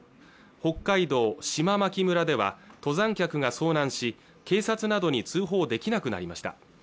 北海道島牧村では登山客が遭難し警察などに通報できなくなりました